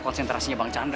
konsentrasi bang chandra